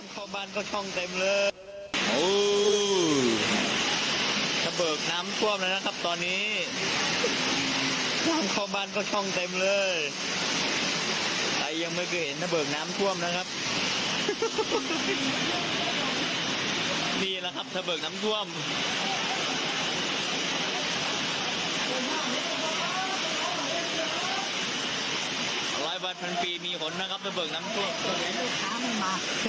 ภูทับเบิกน้ำท่วม